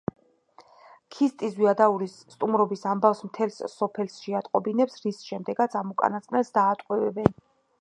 ქისტი ზვიადაურის სტუმრობის ამბავს მთელს სოფელს შეატყობინებს, რის შემდეგაც ამ უკანასკნელს დაატყვევებენ.